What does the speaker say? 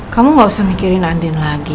kamu gak usah mikirin raden lagi